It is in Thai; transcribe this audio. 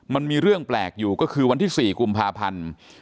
มันมีเรื่องแปลกอยู่ก็คือวันที่๔กุมภาพันธ์